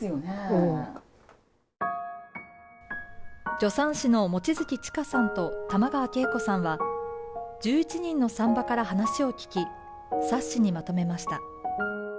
助産師の望月知佳さんと玉川圭子さんは１１人の産婆から話を聞き、冊子にまとめました。